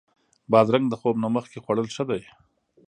بادرنګ د خوب نه مخکې خوړل ښه دي.